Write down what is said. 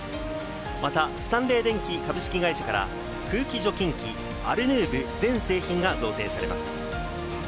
またスタンレー電気株式会社から空気除菌機アルヌーブ全製品が贈呈されます。